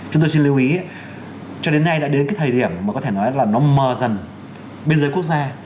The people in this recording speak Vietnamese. chúng tôi xin lưu ý cho đến nay đã đến cái thời điểm mà có thể nói là nó mờ dần biên giới quốc gia